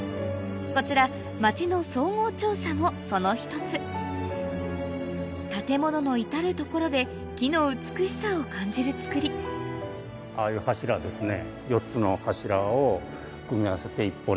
こちらもその一つ建物の至る所で木の美しさを感じる造りああいう柱ですね。